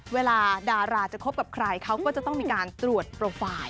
เวลาดาราจะคบกับใครเขาก็จะต้องมีการตรวจโปรไฟล์